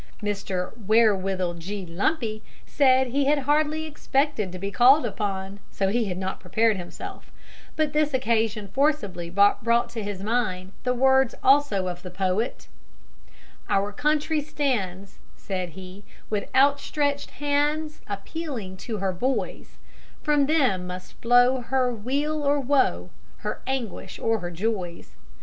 '" Mr. Wherewithal G. Lumpy said he had hardly expected to be called upon, and so had not prepared himself, but this occasion forcibly brought to his mind the words also of the poet, "Our country stands," said he, "with outstretched hands appealing to her boys; from them must flow her weal or woe, her anguish or her joys.